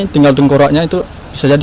tinggal tengkoraknya itu bisa jadi